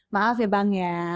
maaf ya bang ya